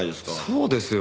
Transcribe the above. そうですよ。